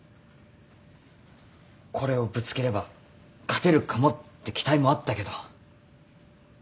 これをぶつければ勝てるかもって期待もあったけど。